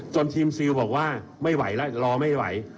ทีมซิลบอกว่าไม่ไหวแล้วรอไม่ไหว